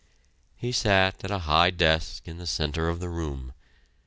He sat at a high desk in the centre of the room.